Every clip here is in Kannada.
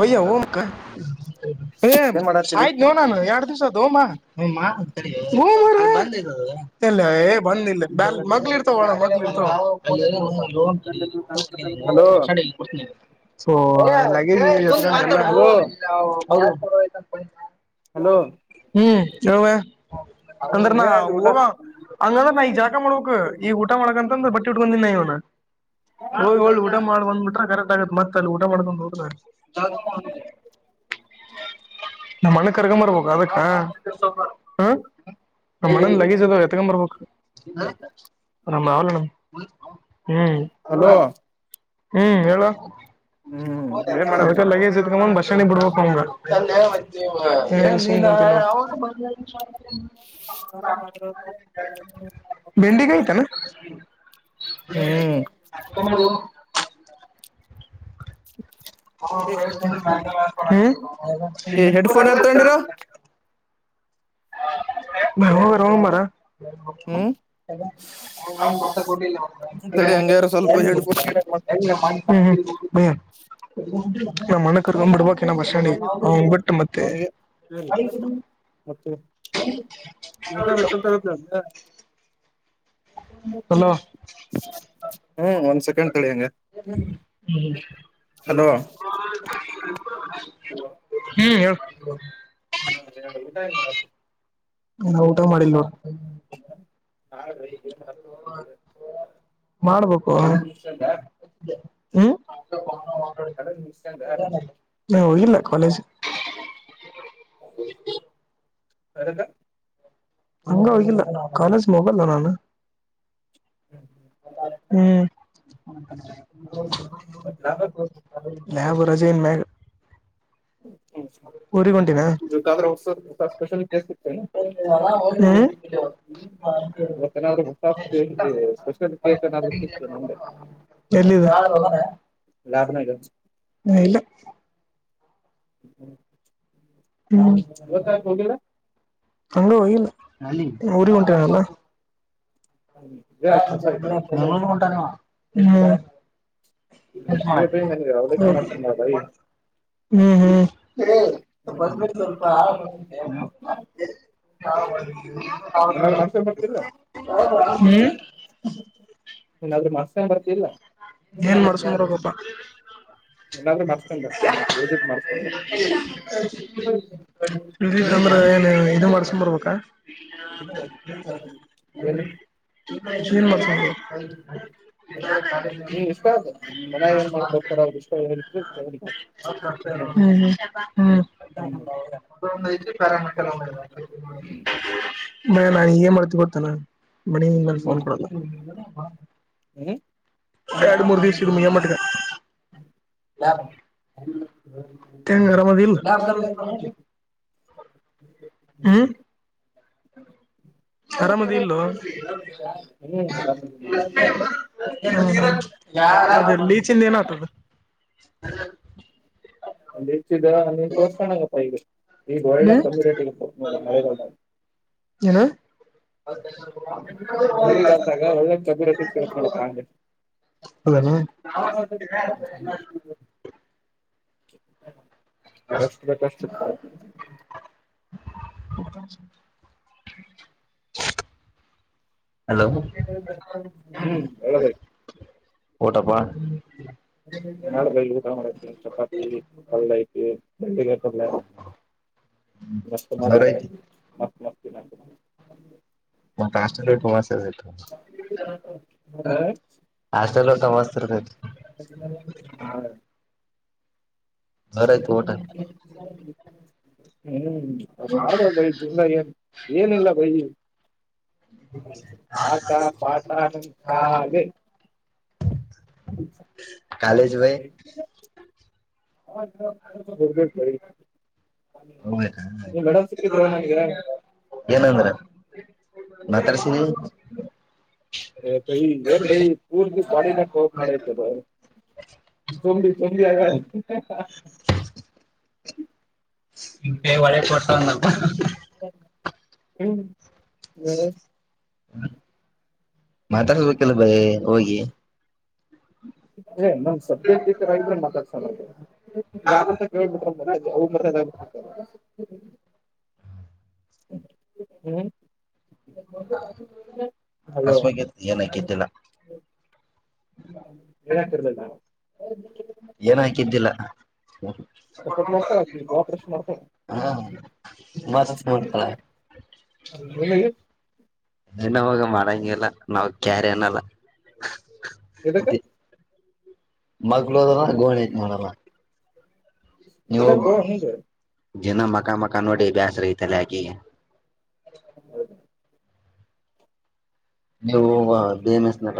ಹಯ ಕ್ಕ ಏ ಏನ್ ಮಾಡತ್ತೀರಿ ಆಯ್ತ್ ನೋ ನಾನು ಎರಡ್ ದಿವ್ಸ ಅದ ಹೋಮ್ಮ ಇಲ್ಲ ಏ ಬಂದಿಲ್ಲ ಬ ಮಗ್ಳ ಇರ್ತಾವಳ ಮಳ ಇರ್ತ ಹಲೋ ಕೊಡ್ತ ಸ ಹಲೋ ಹಲೋ ಹ್ಮ್ ಚಲ ಹ್ಮ್ ಅಂದ್ರನಾ ಏನಾಯ್ತು ಊಟ ಹಂಗಂದ್ರ ನಾ ಈಗ್ ಜಾಕ ಮಾಡ್ಬೇಕಕ್ ಈಗ ಊಟ ಮಾಡಕಂತಂದ ಬಟ್ಟಿ ಉಟ್ಕೊಂಡಿನ ಇವ್ನ ಹೋಗ್ಳ್ಳ ಊಟ ಮಾಡ್ ಬಂದ್ಬಿಟ್ರ ಕರೆಕ್ಟ್ ಆಗತ್ತ್ತೆ ತಲಊಟ ಮಾಡ ತ ನ ಮಣು ಕರ್ಗ ಮಾರ ಬಗ ಅದಕ್ಕ ಹ ನಮ್ಮ ಮಣ್ಣನ್ ಲಗೇಜ್ ಅದಾವ ಎತಕೊ ಬರ್ಬೇಕು ನಮ್ಮ ಆಾವಲಣ ಹಲೋ ಹ್ಮ್ ಹೇಳುವ ಹ್ಮ್ ಏನ್ ಮಾಡತಿ ಅದ ಲಗೇಜ್ ಇತ್ಕ ಬ ನಿ ಬಿಡ ನ ತಮ್ಮ ಹ್ಮ್. ಹೆಡ್ಫೋನ್ ಇರ್ತೊಂಡಿರ [unintelligible] ನ ಮಾರ ಹ ಹ್ಮ್ ನನ್ ಮತ್ತ ಕೊಟ್ಟಿಲ್ಲ ತಡಿ ಹಂಗಾರ ಸ್ವಲ್ಪ ಹೆಡ್ಫೋನ್ ಹ್ಮ ಹ್ಮ ನ ಮನೆ ಕರ್ಕೊಂಡ್ಬಿಡ್ಬ ಭಷಣಿ್ ಬಿಟ್ಟ ಮತ್ತೆ ಅವನಿಗೆ ಮದ ಕಾಗತ್ತ ಅ್ರ ಹಲೋ ಹ್ಮ್ ಒಂದ್ ಸೆಕೆಂಡ್ ತಳಿಯಂಗ ಹ್ಮ್ ಹ್ಮ್ ಹೇಳ್ತ ಹ ನಾ ಊಟ ಮಾಡಿಲ್ವ ನಾ ಮಾಡ್ಬೇಕು ಹ್ಮ ಕಡ ನಿ ನಾ ಹೋಗಿಲ್ಲ ಕಾಲೇಜ್ ಅಂದ ಹಂಗ ಹೋಗಿಲ್ಲ ಕಾಲೇಜ್ ಹೋಗಲ್ಲ ನಾನು ಹ್ಮ್ ಯಬ ರಜನ್ ಮೇ ಹ ಸ ಇವತ್ತಾದ್ರ ಸ್ಪೆಷಲ್ೇಸ್ ಸಿಗ್ತನೆ ಇವತ್ತ ಏನಾದ್ರು ಹೊಸ ಸ್ಪಷಲ್ ಕೇಕ್ ಾದೂ ನ ಎಲ್ಲಿಿದ ಹಾಳ ಲಾಭ ನ ಹಲ್ಲ ಹ್ಮ ಹ್ಮ ಅಂಗ ಹೋಗಲ್ಲ ಊರಿ ಉಂಟಲ್ಲ ಟ ಇದೇ ಕಸ ಆಯ್ತಾ ಹ್ಮ ಹ್ಮ ಇದೇ ಬೈ ನನಗೆ ಅವಲಕ್ಕಿ ಮಾಡ್ಕೊಂಡ ಬೈ ಹ್ಮ್ ಹ್ಮ್ ಹೇಳ ಬ ಸ್ವಲ್ಪ ಆರಾಮ ಏನಾದ್ರು ಮಾಡ್ಸ್ಕೊಂಡ್ ಹ್ಮ್ ನೀನ್ಾದ್ರೂ ಮಸ ಬರ್ತಿಲ್ಲ ಏನ್ ಮಾಡ್ಸ ನ್ರಗಬ್ಬಾ ಎಲ್ಲಾರ ಮಾಡಸ್ಕೊಂಡ್ ಬ ಮಾಡಸ್ಕೊಂಡ ಅಂದ್ರ ಏನ್ ಇದು ಮಾಡ್ಸ್ಂಬರ್ಬೇಕಾ ಏನು ಹ್ಮ ಹ್ಮ್ ಶನ್ ಮ ಇಷ್ಟ ಆಗ ಮನ್ಯಾಗ ಹ್ಮ ಏನ್ ಹ ಮಾಡ್ಕೊಡ್ತಾರ ಅವ್ರ ಇಷ್ಟ ಏನಿತ್ತು ಹ್ಮ್ ಹ್ಮ್ ಒಐ ಪ್ಯರಾಮ ಕೆಲ್ಲ ಮ ನಾನ್ ಹೀಗ ಮಾಡ್ತತಿ ಗತ್ತತಾನ ಬಡ ಮಾನ ಹ್ಮ್ ಫೋನ್ ಕೊ ಹ್ಮ್ ಎರಡು ಮೂರು ದಿವಸ ಇದು ಮುಿಯ ಮಟಗ ಹ್ಮ ಂಗರ ಮ ಆರಾಮದ ಇಲ್ಲ ಅದೆ ಲೀಚಿಂದ ಏನ ಆಗ್್ತದ ಹ್ಮ ಒಂದ್ ಹೆಚ್ಚಿದ ನೀ ತೋರ್ಕಗಪ್ಪಾ ಈಗ ಈಗ ಒಳ್ಳೆ ಹ್ಮ್ ಕಮ್ಯುನಟಿ ನೋಡ ಮಳೆದ ಹ್ಣ ಮಳೆಗಾಲದಾಗ ಒಳ್ಳೆ ಕಮ್ಮಿ ರೇಟಿಗೆ ಸಿಗತ್ ನೋಡಪ್ಪ [unintelligible] ಅಂದೆ ಅದಾನ ಕಷ್ಟ ಕಷ್ಟ ಹ ಹ್ಮ್ ಹದ ಓಟಪ್ಪಾ ಎನಡು ಬೆಊರ ಚಪಾತಿ ಕಲ್ಲಾಯ ಬೆಲ್ಲ ಮಸ್ು ಮಾರ ಜೋರ ಐತಿ ಅ ಮ ಮತ್ತೆ ಆಷ್ಟಟವಾಸ ಹಾ ಹಾಸ್ಟೆಲ್ ಊಟ ಮಸ್ತ್ ಇರ್ತೈತಿ ಹಾ ಬರಯತು ಊಟ ಹ್ಮ್ ಅಷ್ಟ ಮಾಡಬೇಕ ಬೈ ಜಿಂದ ಏನ್ ಏನಿಲ್ಲ ಬೈ ಟಾ ಪಾಟಾ ಕದು ಕಾಲೇಜ ಭೈ ಹಬೇಕಿ ಹಾ ನನ್ಗೆ ಏನಂದ್ರ ಮಾತ್ತರ ಸಿಿನ ಏನ್ ಭೈ ಪೂರ್ದ ಬಾಡಿನ ಮಾಡೈತೆ ಬ ಜಂಬಿ ಚಂಡಿಯಗ ಒಳೆ ಕೊಟ್ಟಂದ ಹ್ಮ್ ಹ್ಮ ಮಾತಾಡ್ಬೇಕಲ್ಲ ಬ ಹೋಗಿ ಏ ನಮ್ ಸಬ್ಜೆಕ್ಟ್ ಟೀಚರ್ ಆಗಿದ್ರೆ ಮಾತಾಡ್ಸ ಯಾಕಂತ ಕಬಿಟ್ರ ಹ ಹ್ಮ್ ಹಲೋ ಹಸಮ ಏನ ಕಿದ್ದಿಲ್ಲ ಏನಾಕರ್ತಲ್ ನಾ ಏನ್ ಹಾಕಿದ್ದಿಲ್ಲ ಸಪೋರ್ಟ್ ಮಾಡ್ತಾಳ ಆಕಿ ಕೋಆಪರೇಷನ್ ಮಾಡ್ತಾಳ ಹಾ ಮಸ್ ಮಡ್ತ ನಿಮಗೆ ನ ಹಾಗ ಮಾಡಂಗಗೆಲ್ಲ ನಾವ ಕ್ಯಾರ ಅನಲ್ಲ ಎಕ್ಕೆ ಮಗ್ಳದ ಗೋಣ ನೋಡಲ್ಲ ನೀವು ಎದಕ್ಕೋ ಹಿಂಗ ಜನ ಮಕ್ಕ ಮಕ್ಕ ನೋಡಿ ಬ್ಯಾಸ ರಐತಲ್ಲ ಆಾಕೆ ಹೌದಾ ನೀವು ಬೇ ಮೆಸ್ನದ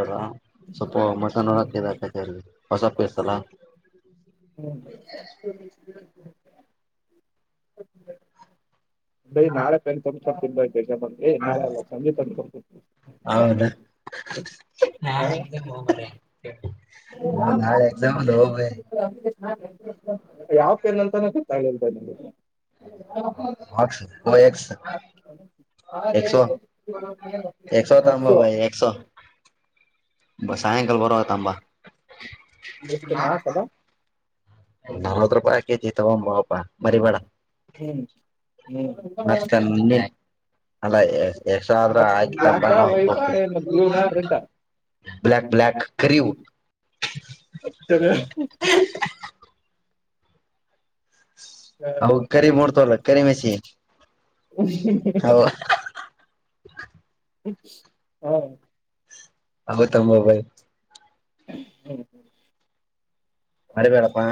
ಸ್ವಲ್ಪ ಮಸಾನಾಕ ಹೊ ಬಸಲ್ಲಾ ಹ್ಮ್ ನ ನಾೆ ತೊ ನಾಳೆ ಸಂಜೆ ತ ಹೌದಾ ಹೌ ನಾಳೆ ಎಕ್ಸಾಮ್ ಹೋಗಬ ಯಾವ ಪೇನಂತಾನೆ ಗೊತ್ತಾಗ್ಲಿಂತ ನಿಮಗೆ ಹ ಒ ಎಸ್ ಹಾ ಎಕ್ಸೋ ಬ ಸಾಯಂಕಾಲ ಬರುವೋ ತ ಅಂಬ ಎಷ್ಟು ನಾಲ್ಕಲ್ಲ ನವತ್ತು ರೂಪಾಯ ಕೆ ಜಿ ತ ಬಪ ಹ್ಮ್ ಹ್ಮ್ ಮತ್ತನ್ನೆ ಅಲ್ಲ ಎಷ್ಟ್ರ ಆದ್ರ ಆಾಕಿ ಬ್ಲ್ಯಾಕ ತಂಬಾನ ವೈಟಾ ಹಕಡ್ತವಿ ಏನು ಬ್ಲೂನಾ ರೆಡ್ಡಾ ಬ್ಲಕ್ ಬ್ಲಕ್ ಕ ಸ ಅವು ಕರಿ ಮೂಡ್ತವಲ್ಲ ಕರಿ ಮೆಸಿ ಅವು [unintelligible] ಹಾ ಹೌತ್ತಮ್ಮಬಾಯ ಹ್ಮ್ ಹ್ಮ್ ಮರಿ ಬೇಳಪ್ಪಾ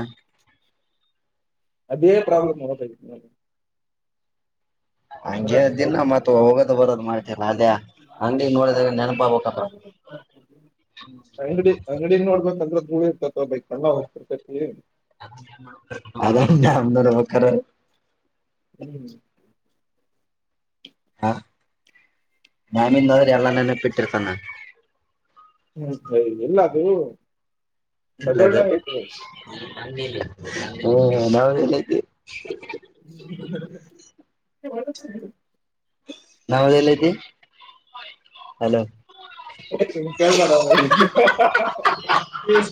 ಆ ಪ್ರೊಬ್ಲಮ್ ಅವತ ಹಂಗೆ ದಿನ ಬರೋಕ್ಕೆ ಮತ್ ಹೋಗೋದು ಬರೋದು್ ಮಾಡ್ತಿಲ್ಲ ಅದೇ ಅಂಗ್ಡಿಿಗೆಗ್ ನೋಡದ ನೆನಪಾ ಬ ಹ ಅಂಗಡಿ ಅಂಗಡ ನೋಡ್ಬೇಕಂದ್ರೆ ಬೂಳ ಇರ್ತತ್ ಬಕ್ ಎಲ್ಲ ಹೋಗ್ತಿರ್ತೈತಿ ಅದ ಅಂದರೆ ಬಕ್ಕಾರೆ ಹ್ಮ್ ಹ ನಾಮಿಂದಾದ್ರೆ ಎಲ್ಲ ಹ್ಮ್ ನೆನಪ್ಪ ಇಟ್ಟಿರ್ತಾನ ಹ್ಮ ಹ ಎಲ್ಲದುೂ ಇಲ್ಲದ ಹ್ಮ ನಾವ ಏನತಿ ಹ ಬ ನಾವದಲ್ಲಐತಿ ಹಲೋ ಕಲ್ಲ ಭ [unintelligible]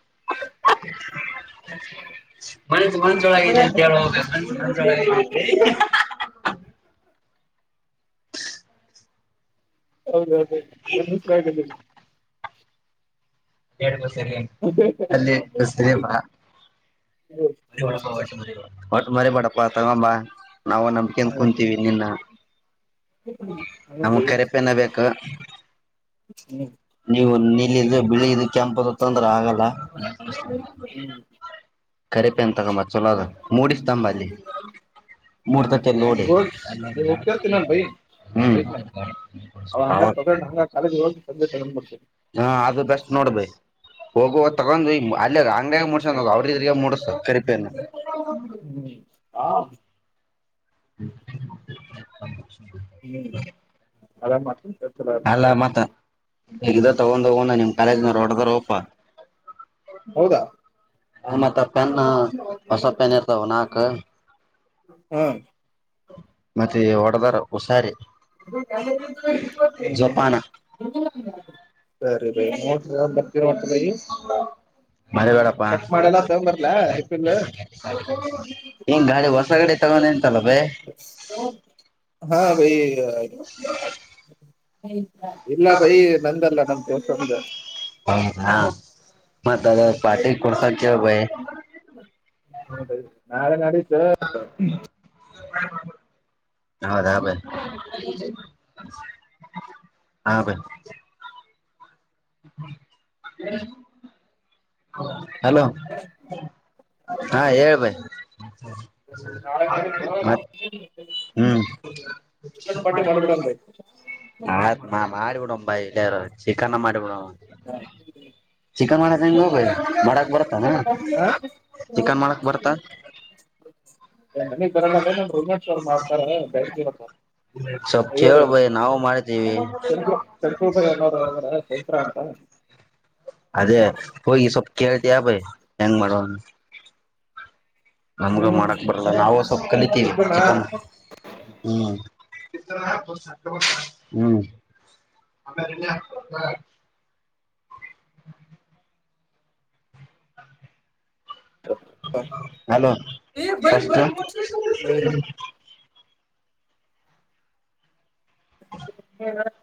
[unintelligible] ಮನೆಸು ಮಂಚಳಗ ಅಂತ ಹೇಳ ಹ ಮಸು ಮಚಳಗ. [unintelligible] ಹೌದೌದು ಎ ದಸರ ಆಿದ್ದಿಲ್ಲ. ಬ ಅಲ್ಲಿ ಬಸರಿಮ್ಮ. ಮರಿಬೇಡಪ್ಪಾ ತಗೊಂಬ ನಾವು ನಂಬಿಕೆನ್ ಕುಂತೀವಿ ನಿನ್ನ. ನಮಗ್ ಕರೆಪೆನ ಹ್ಮ ಬೇಕು [unintelligible] ನೀವು ನಿಲ್ಲಿದ್ದ ಬಿಳಿಿದ ಕೆಂಪ ತಂದ್ರೆ ಆಗಲ್ಲ. [unintelligible] ಕರಿಪೆ ಅಂತ ತಗಂಬ ಚಲೋದ ಮೂಡ್ತಂಬ ಅಲ್ಲಿ. ಮೂರ್ತಕ್ಕೆ ಲೋಡ್ ಹೋಗ್ತಿರ್ತೀನಿ ನಾನು ಬೈ ಹ್ಮ್. ಬೈಕ್ ಮಾಡಿ ಅವಾಗ [unintelligible] ತಂದೆ ತಗೊಂಡ್ ಬಿಡ್ತೀನಿ ಹಾ ಅದು ಬೆಸ್ಟ್ ನೋಡ್ಬೇಕೇ. ಹೋಗುವ್ ತಗೊಂಡ್ ಅಲ್ಲಿ ಅಂಗ್ ಮುಸ ಅವ್ರ ಇದ. ಸಕ್ಕರಿಪೇ. ಹ್ಮ. ಹ್ಮ್ ಅ. ಅಲ್ಲ ಮತ್ತ ಇದ ತಗೊಂಡ ಹೋಗ ನಿಮ್ ಕಾಲೇಜ್ನೋಡದ ಓಪ. ಹೌದಾ. ಮತ್ತ ಪೆನ್ ಹೊಸ ಪೆನ್ ಇರ್ತಾವ ನಾಲ್ಕ್ು. ಹ್ಮ್. ಮತ್ತೆ ಹೊಡದಾರ ಹುಷಾರಿ. ಜೋಪಾನ ಸರಿ ಬ. ಹ ಬತರ ಮಾಡತ ಬಿ. ಮರಿಬೇಡಪ್ಪಾ ಚಕ್ ಮಾಡೆಲ್ಲ ತಗ ಬರ್ಲ ರಿಪಲ್. ಹಿಂಗ್ ಗಾಡಿ ಹೊಸ ಗಾಡಿ ತಗೊಂಡಂತಲ್ಲ ಬೈ ಹಾ ಭೈ. ಹ. ಇಲ್ಲ ಬೈ ನಂದಲ್ಲ ನಮ ದಿವಸಂದ. ಹೌದಾ ಮತ್ತ ದದ ಪಾ್ಟಿ ಕೊಡಸಕ್ಕೆ ಭಾಯ. ನಾಳೆ ನಾಳಿದ್ದು [unintelligible] ಹೌದಾ ಬ [unintelligible] ಹಾ ಬನ್. ಹ [unintelligible] ಹಲೋ ಹಾ ಹೇಳ್ಬಾಯ [inaudible] ನಾಳೆ [unintelligible] ನಾಡಿದ್ದು ಹ್ಮ್ ಪಾರ್ಟಿ ಮಾಡ್ಬಿಡೋಣ ಬೈ ಆ ಮಾಡಿಬಡ. [unintelligible] [unintelligible] [unintelligible] ಹ. ಚಿಕನ್ ಮಾಡದೆ ಹೆಂಗೋ ಬೈ ಮಾಡಕ್ ಬರುತ್ತಾ. ಹಾ ಚಿಕನ್ ಮಾಡಕ್ ಬರ್ತ. ನನ್ನ ಕರಣಲ್ಲೇ ನನ್ ರೋಮೇಶ್ ಅವರ್ ಮಾಡ್ತಾರೆ ಬ್ಯಾಂಕರ. ದವಿ ಅದರ [unintelligible] ಚೈತ್ರ ಅಂತ [unintelligible] ಅದೇ ಹೋಗಿ ಸ್ವಲ್ಪ ಕೇಳ್ತಯ ಭೈ ಹೆಂಗ್ ಮಾಡೋ ನಮ್ಗೂ ಹ್ಮ್ ಮಾಡಕ್ ಬರಲ್ಲ ನಾವವು ಸ್ವಲ್ಪ ಕಲಿತೀವಿ ಗೊತ್ತೇನಾ? ಚಿಕನ್ ಹ್ಮ್. [unintelligible] ಹ [unintelligible] ಹಲೋ ಪ್ರಷ್ಟ. ಹ್ಮ್ ಹ [unintelligible]